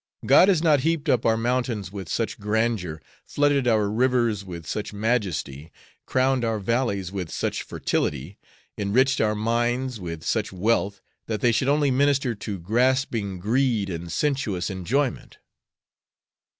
God has not heaped up our mountains with such grandeur, flooded our rivers with such majesty, crowned our valleys with such fertility, enriched our mines with such wealth, that they should only minister to grasping greed and sensuous enjoyment."